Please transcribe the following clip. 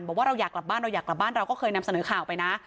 บอกว่าเราอยากกลับบ้านเราอยากกลับบ้านเราก็เคยนำเสนอข่าวไปนะ